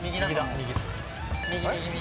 右右右。